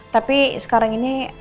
tapi sekarang ini